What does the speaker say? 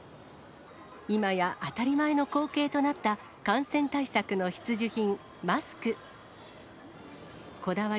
今や、当たり前の光景となった感染対策の必需品、マスク。